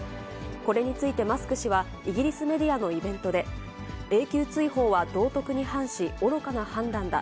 これについてマスク氏は、イギリスメディアのイベントで、永久追放は道徳に反し、愚かな判断だ。